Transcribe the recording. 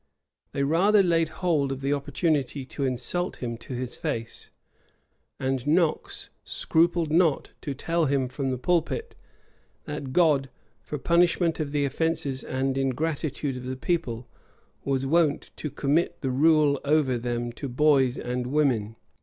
They rather laid hold of the opportunity to insult him to his face; and Knox scrupled not to tell him from the pulpit, that God, for punishment of the offences and ingratitude of the people, was wont to commit the rule over them to boys and women.